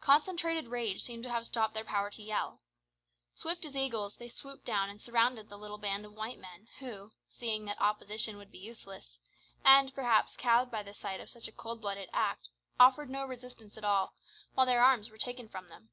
Concentrated rage seemed to have stopped their power to yell. Swift as eagles they swooped down and surrounded the little band of white men, who, seeing that opposition would be useless, and, perhaps, cowed by the sight of such a cold blooded act offered no resistance at all, while their arms were taken from them.